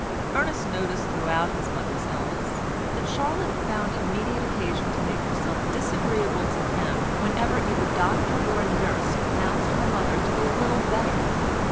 Ernest noticed throughout his mother's illness, that Charlotte found immediate occasion to make herself disagreeable to him whenever either doctor or nurse pronounced her mother to be a little better.